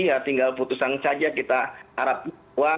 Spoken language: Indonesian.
ya tinggal putusan saja kita harap